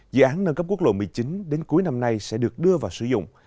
dự án nâng cấp quốc lộ một mươi chín đến cuối năm nay sẽ được đưa vào sử dụng